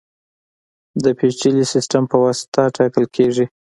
د پېچلي سیستم په واسطه ټاکل کېږي.